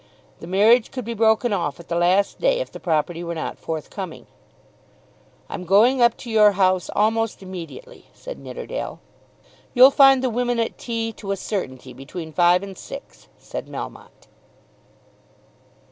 The marriage could be broken off at the last day if the property were not forthcoming. "I'm going up to your house almost immediately," said Nidderdale. "You'll find the women at tea to a certainty between five and six," said Melmotte.